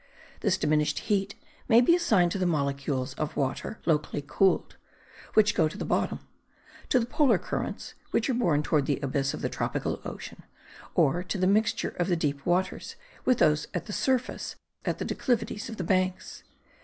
This diminished heat may be assigned to the molecules of water locally cooled, which go to the bottom; to the polar currents, which are borne toward the abyss of the tropical ocean, or to the mixture of the deep waters with those of the surface at the declivities of the banks.